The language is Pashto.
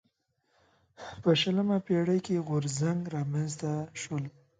په شلمه پېړۍ کې غورځنګ رامنځته شول.